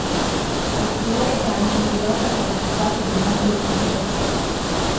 L'attore è anche pilota qualificato di mongolfiere.